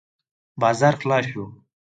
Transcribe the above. بازار خلاص شو.